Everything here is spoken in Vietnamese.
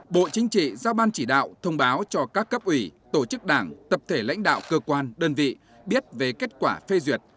bộ chính trị giao ban chỉ đạo thông báo cho các cấp ủy tổ chức đảng tập thể lãnh đạo cơ quan đơn vị biết về kết quả phê duyệt